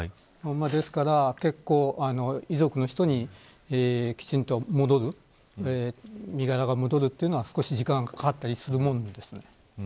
ですから遺族の人にきちんと戻る身柄が戻るというのは少し時間がかかったりするものです。